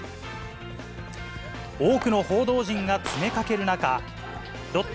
多くの報道陣が詰めかける中、ロッテ、